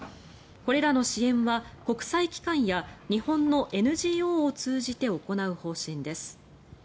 これらの支援は国際機関や日本のＮＧＯを通じて行う方針です。